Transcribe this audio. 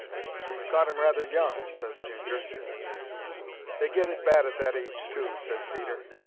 "She's caught 'im rather young," ses Ginger. "They get it bad at that age too," ses Peter.